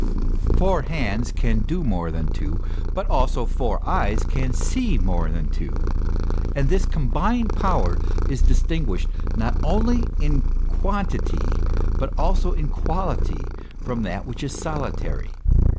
Four hands can do more than two ; hut also, four eyes can see more than two. And this combined power is distinguished not only in quantity hut also in quality from that which is solitary.